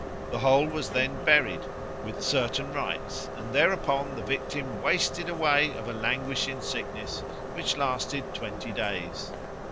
The whole was then buried with certain rites, and thereupon the victim wasted away of a languishing sickness which lasted twenty days.